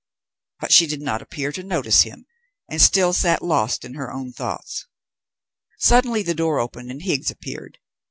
But she did not appear to notice him, and still sat lost in her own thoughts. Suddenly the door opened and Higgs appeared.